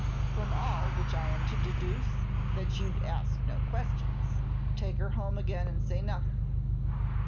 "From all which I am to deduce that you 'd ask no questions, take her home again, and say nothing."